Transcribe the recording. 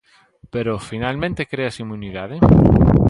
Pero finalmente créase inmunidade?